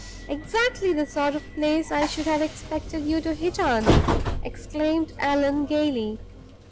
"Exactly the sort of place I should have expected you to hit on!" exclaimed Allan, gayly.